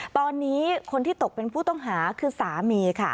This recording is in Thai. ตอนนี้คนที่ตกเป็นผู้ต้องหาคือสามีค่ะ